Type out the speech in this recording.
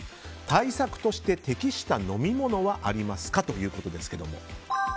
対策として適した飲み物はありますかということですが。